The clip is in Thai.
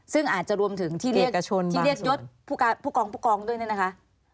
ซึ่งอาจจะรวมถึงที่เรียกเอกชนบางส่วนที่เรียกยศผู้การผู้กองผู้กองด้วยนี่นะคะ